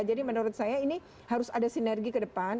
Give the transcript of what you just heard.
jadi menurut saya ini harus ada sinergi ke depan